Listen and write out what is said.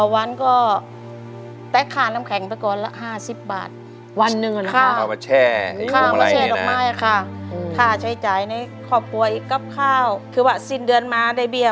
วันหนึ่งก็บางวันก็ขายได้ร้อย